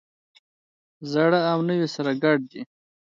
زاړه او نوي سره ګډ دي.